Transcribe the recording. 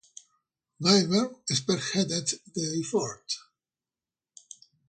Gilmer spearheaded the effort.